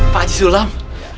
pak haji sulam